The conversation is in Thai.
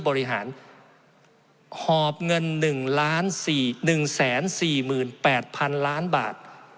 บริหารหอบเงิน๑๔๘๐๐๐ล้านบาท